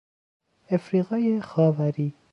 افریقای خاوری